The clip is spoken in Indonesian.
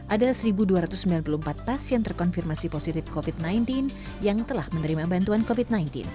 ada satu dua ratus sembilan puluh empat pasien terkonfirmasi positif covid sembilan belas yang telah menerima bantuan covid sembilan belas